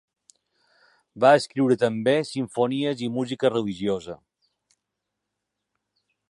Va escriure també simfonies i música religiosa.